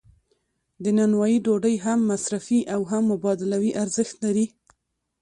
د نانوایی ډوډۍ هم مصرفي او هم مبادلوي ارزښت لري.